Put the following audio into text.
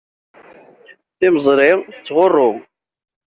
Timeẓri tettɣurru.